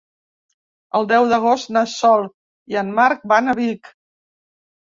El deu d'agost na Sol i en Marc van a Vic.